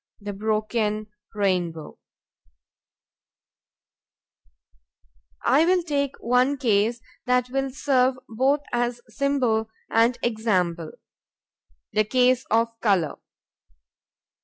THE BROKEN RAINBOW I will take one case that will serve both as symbol and example: the case of color.